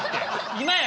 今や！